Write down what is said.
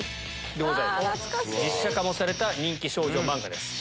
実写化もされた人気少女漫画です。